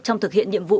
trong thực hiện nhiệm vụ